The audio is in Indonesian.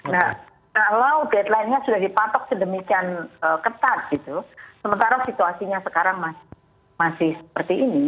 nah kalau deadline nya sudah dipatok sedemikian ketat gitu sementara situasinya sekarang masih seperti ini